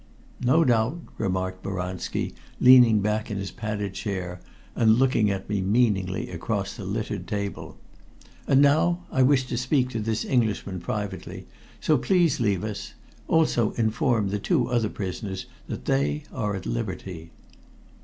"No doubt," remarked Boranski, leaning back in his padded chair and looking at me meaningly across the littered table. "And now I wish to speak to this Englishman privately, so please leave us. Also inform the other two prisoners that they are at liberty."